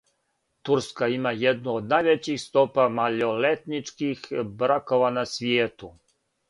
Турска има једну од највећих стопа малољетничких бракова на свијету.